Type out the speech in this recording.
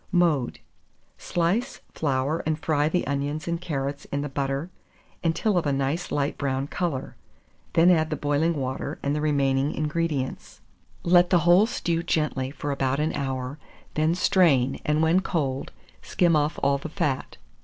Mode. Slice, flour, and fry the onions and carrots in the butter until of a nice light brown colour; then add the boiling water and the remaining ingredients; let the whole stew gently for about an hour; then strain, and when cold, skim off all the fat.